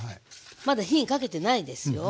まだ火にかけてないですよ。